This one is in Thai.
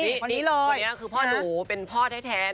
นี่คนนี้คือพ่อหนูเป็นพ่อท้ายนะครับ